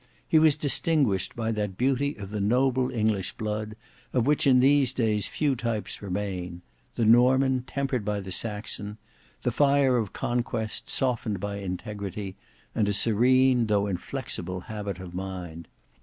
He was distinguished by that beauty of the noble English blood, of which in these days few types remain; the Norman tempered by the Saxon; the fire of conquest softened by integrity; and a serene, though inflexible habit of mind.